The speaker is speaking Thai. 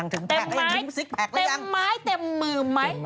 เต็มไม้เต็มมือไหม